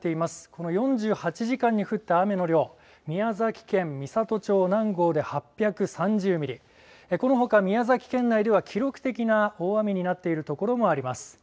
この４８時間に降った雨の量、宮崎県美郷町南郷で８３０ミリ、このほか宮崎県内では記録的な大雨になっているところもあります。